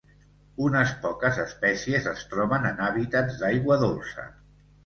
Unes poques espècies es troben en hàbitats d'aigua dolça.